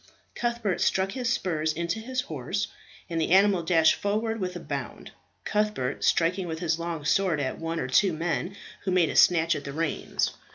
Cuthbert struck his spurs into his horse, and the animal dashed forward with a bound, Cuthbert striking with his long sword at one or two men who made a snatch at the reins.